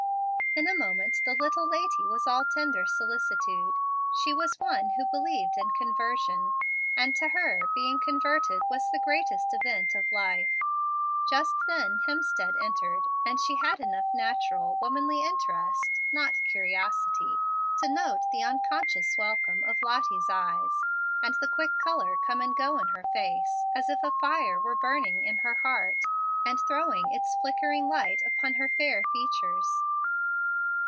In a moment the little lady was all tender solicitude. She was one who believed in conversion; and, to her, being converted was the greatest event of life. But just then Hemstead entered, and she had enough natural, womanly interest not curiosity to note the unconscious welcome of Lottie's eyes, and the quick color come and go in her face, as if a fire were burning in her heart and throwing its flickering light upon her fair features.